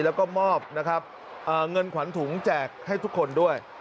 แล้วก็มอบนะครับเงินขวัญถุงแจกให้ทุกคนด้วย